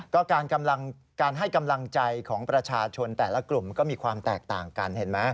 ก็การกำลังการให้กำลังใจของประชาชนแต่ละกลุ่มก็มีความแตกต่างกันเห็นไหม